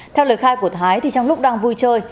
theo lời khai của thái thì trong lúc đang vui chơi